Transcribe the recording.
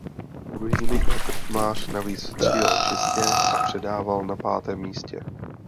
Druhý Michal Krčmář navíc střílel čistě a předával na pátém místě.